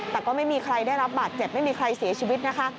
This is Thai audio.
แต่ก็ไม่มีใครได้รับบาดเจ็บไม่มีใครเสียชีวิตนะคะ